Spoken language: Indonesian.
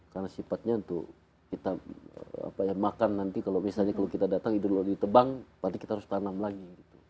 karena sifatnya untuk kita makan nanti kalau misalnya kalau kita datang itu lalu ditebang nanti kita harus tanam lagi